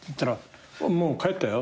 「もう帰ったよ」